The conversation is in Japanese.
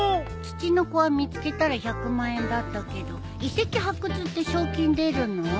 ツチノコは見つけたら１００万円だったけど遺跡発掘って賞金出るの？